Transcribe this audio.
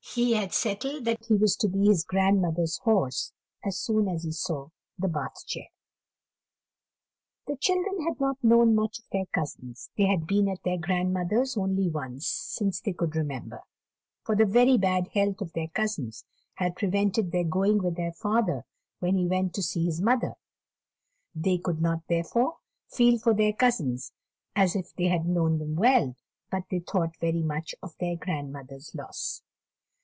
He had settled that he was to be his grandmother's horse as soon as he saw the Bath chair. The children had not known much of their cousins; they had been at their grandmother's only once since they could remember, for the very bad health of their cousins had prevented their going with their father when he went to see his mother; they could not therefore feel for their cousins as if they had known them well, but they thought very much of their grandmother's loss.